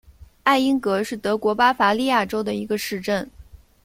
艾因格是德国巴伐利亚州的一个市镇。